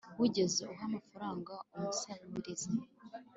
wigeze uha amafaranga umusabirizi